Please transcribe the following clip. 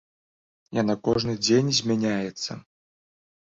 Яна кожны дзень змяняецца.